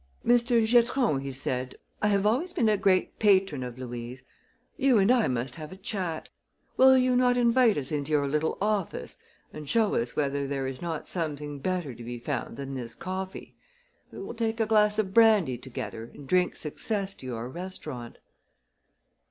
"Mr. Giatron," he said, "I have always been a great patron of Louis. You and I must have a chat. Will you not invite us into your little office and show us whether there is not something better to be found than this coffee? We will take a glass of brandy together and drink success to your restaurant."